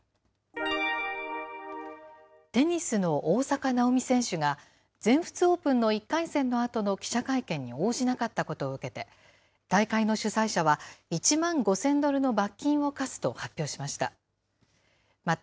テニスの大坂なおみ選手が、全仏オープンの１回戦のあとの記者会見に応じなかったことを受けて、大会の主催者は、１万５０００ドルの罰金を科すと発表しました。